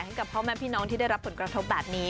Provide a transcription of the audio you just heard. ให้กับพ่อแม่พี่น้องที่ได้รับผลกระทบแบบนี้